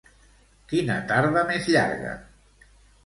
Quina tarda més llarga!